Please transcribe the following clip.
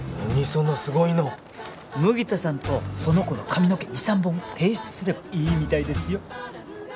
何そのすごいの麦田さんとその子の髪の毛２３本提出すればいいみたいですよ？